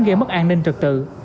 gây mất an ninh trực tự